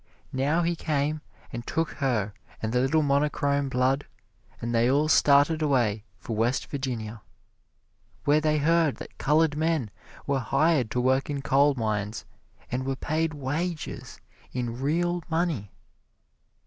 Now he came and took her and the little monochrome brood, and they all started away for West Virginia, where they heard that colored men were hired to work in coalmines and were paid wages in real money.